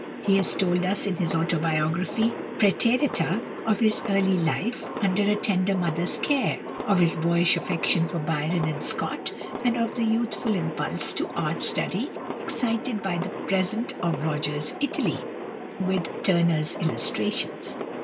He has told us in his autobiography, "Præterita," of his early life under a tender mother's care, of his boyish affection for Byron and Scott, and of the youthful impulse to art study excited by the present of Rogers's "Italy," with Turner's illustrations.